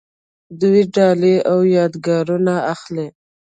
دوی ډالۍ او یادګارونه اخلي.